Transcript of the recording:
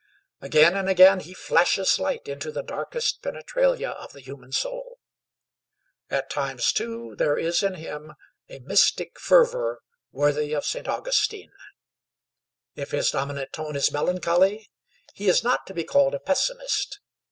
Again and again he flashes light into the darkest penetralia of the human soul. At times, too, there is in him a mystic fervor worthy of St. Augustine. If his dominant tone is melancholy, he is not to be called a pessimist.